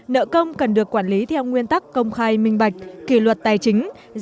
nợ công cần được quản lý theo nguyên tắc công khai minh bạch kỷ luật tài chính